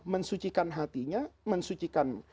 mensucikan hatinya mensucikan